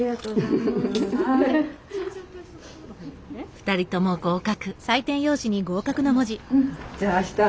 ２人とも合格。